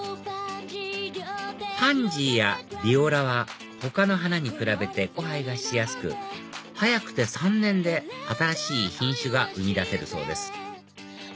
パンジーやビオラは他の花に比べて交配がしやすく早くて３年で新しい品種が生み出せるそうです